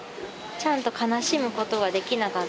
ちゃんと悲しむことができなかった。